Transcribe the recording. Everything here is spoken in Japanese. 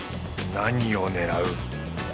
何を狙う？